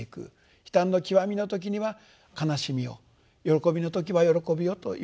悲嘆の極みの時には悲しみを喜びの時は喜びをというきちっと。